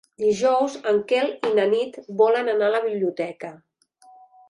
Dijous en Quel i na Nit volen anar a la biblioteca.